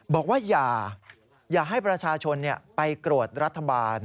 บอกว่าอย่าให้ประชาชนไปโกรธรัฐบาล